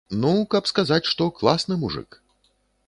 Ну, каб сказаць, што класны мужык.